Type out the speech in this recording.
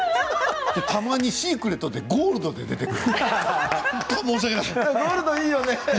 たまにシークレットでゴールドで出てくる。